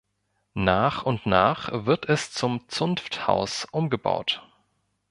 Nach und nach wird es zum Zunfthaus umgebaut.